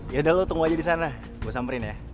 yaudah lo tunggu aja disana gua samperin ya